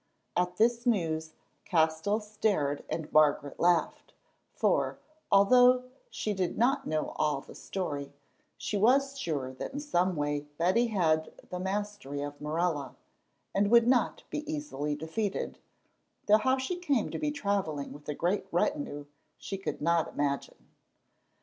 At this news Castell stared and Margaret laughed, for, although she did not know all the story, she was sure that in some way Betty had the mastery of Morella, and would not be easily defeated, though how she came to be travelling with a great retinue she could not imagine.